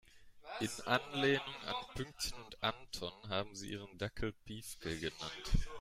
In Anlehnung an Pünktchen und Anton haben sie ihren Dackel Piefke genannt.